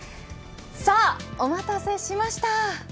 さあ、お待たせしました。